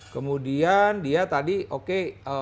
kemudian dia tadi oke